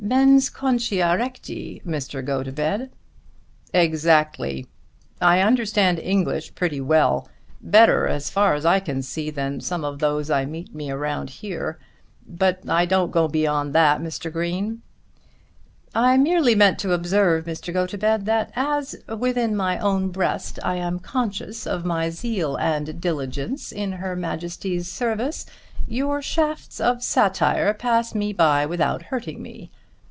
Mens conscia recti, Mr. Gotobed." "Exactly. I understand English pretty well; better, as far as I can see than some of those I meet around me here; but I don't go beyond that, Mr. Green." "I merely meant to observe, Mr. Gotobed, that as, within my own breast, I am conscious of my zeal and diligence in Her Majesty's service your shafts of satire pass me by without hurting me.